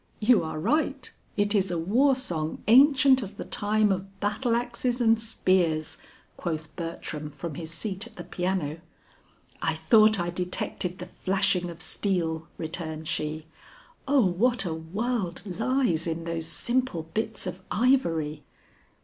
"You are right; it is a war song ancient as the time of battle axes and spears," quoth Bertram from his seat at the piano. "I thought I detected the flashing of steel," returned she. "O what a world lies in those simple bits of ivory!"